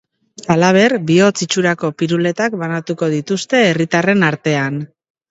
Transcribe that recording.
Halaber, bihotz itxurakopiruletak banatuko dituzte herritarren artean.